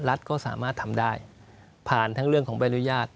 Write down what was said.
รัฐก็สามารถทำได้ผ่านทั้งเรื่องของใบอนุญาต